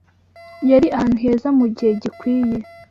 Yari ahantu heza mugihe gikwiye.